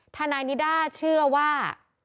ทนายนิด้าเชื่อว่า